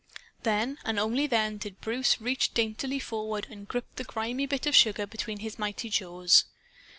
Then and then only did Bruce reach daintily forward and grip the grimy bit of sugar between his mighty jaws.